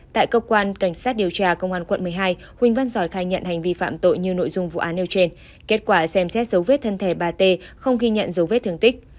tại cơ quan cảnh sát điều tra công an quận một mươi hai huỳnh văn giỏi khai nhận hành vi phạm tội như nội dung vụ án nêu trên kết quả xem xét dấu vết thân thể bà t không ghi nhận dấu vết thương tích